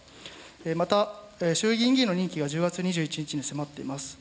また衆議院議員の任期が１０月２１日に迫っています。